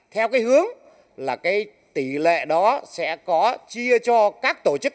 theo cái hướng là cái tỷ lệ đó sẽ có chia cho các tổ chức